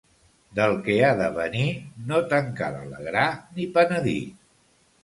Del que ha de venir, no te'n cal alegrar ni penedir.